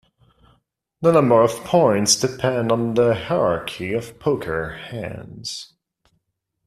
The number of points depend on the hierarchy of poker hands.